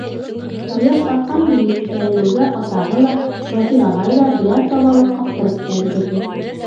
Ҡояш арҡан буйы күтәрелеүгә атаһы ла, Вәкил ағай ҙа берәр табалыҡ ҡаптырып та өлгөрҙө.